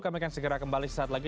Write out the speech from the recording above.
kami akan segera kembali saat lagi